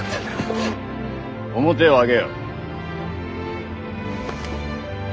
面を上げよ。